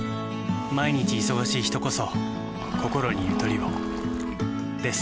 毎日忙しい人こそこころにゆとりをです。